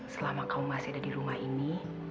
selama kau masih ada di rumah ini